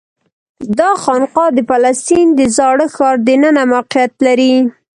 دا خانقاه د فلسطین د زاړه ښار دننه موقعیت لري.